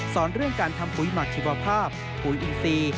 สอนเรื่องการทำหุ้ยหมักชีวภาพหุ้ยอินทรีย์